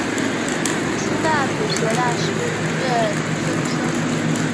清代朴学大师俞樾曾孙。